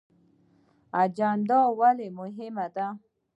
اجنډا ولې مهمه ده؟